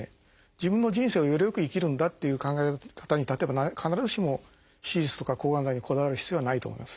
自分の人生をゆるく生きるんだっていう考え方に例えば必ずしも手術とか抗がん剤にこだわる必要はないと思います。